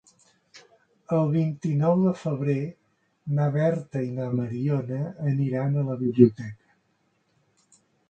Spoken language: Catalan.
El vint-i-nou de febrer na Berta i na Mariona aniran a la biblioteca.